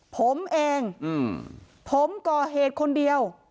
ผมเองผมก่อเหตุคนเดียว